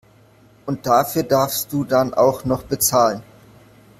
Und dafür darfst du dann auch noch bezahlen!